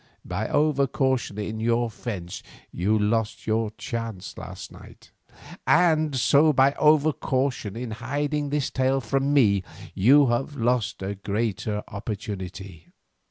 By over caution in your fence you lost your chance last night, and so by over caution in hiding this tale from me you have lost a far greater opportunity.